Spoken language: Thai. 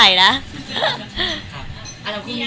มีอะไรคำบังสัญละครับ